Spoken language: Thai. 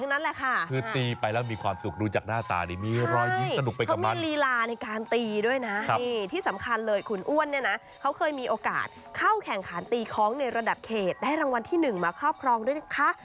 มีลีลาในการตีด้วยนะที่สำคัญเลยคุณอ้วนเนี่ยนะเขาเคยมีโอกาสเข้าแข่งขันตีคล้องในระดับเขตได้รางวัลที่๑มาเข้าพร้อมด้วยนะคะ